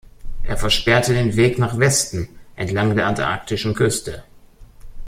Er versperrte den Weg nach Westen entlang der antarktischen Küste.